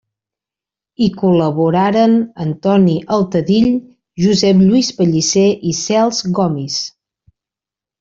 Hi col·laboraren Antoni Altadill, Josep Lluís Pellicer i Cels Gomis.